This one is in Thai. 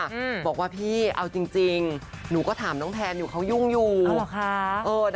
อืมบอกว่าพี่เอาจริงจริงหนูก็ถามน้องแพนหนูเค้ายุ่งอยู่น่ะหรอค่ะ